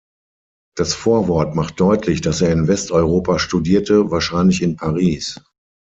Das Vorwort macht deutlich, dass er in Westeuropa studierte, wahrscheinlich in Paris.